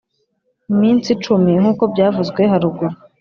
iminsi cumi nkuko byavuzwe haruguru.